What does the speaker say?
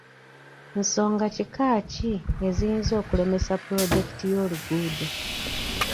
Nsonga kika ki eziyinza okulemesa puloojekiti y'oluguudo?